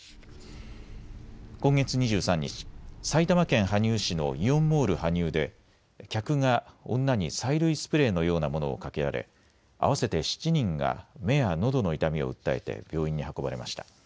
今月２３日、埼玉県羽生市のイオンモール羽生で客が女に催涙スプレーのようなものをかけられ合わせて７人が目やのどの痛みを訴えて病院に運ばれました。